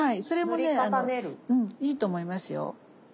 それもねいいと思いますよ。